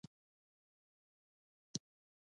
روح یې ژوندی وي او دلته یې نوم ژوندی وي.